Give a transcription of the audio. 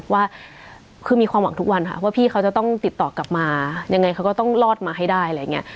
ว่าคือมีความหวังทุกวันค่ะว่าพี่เขาจะต้องติดต่อกลับมายังไงเขาก็ต้องรอดมาให้ได้อะไรอย่างนี้